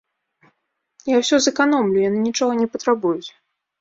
Я ўсё зэканомлю, яны нічога не патрабуюць.